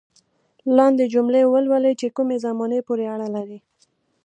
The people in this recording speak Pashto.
لاندې جملې ولولئ چې کومې زمانې پورې اړه لري.